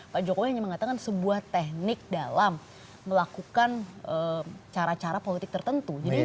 pak jokowi hanya mengatakan sebuah teknik dalam melakukan cara cara politik tertentu